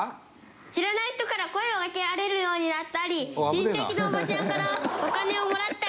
知らない人から声を掛けられるようになったり親戚のおばちゃんからお金をもらったりしました。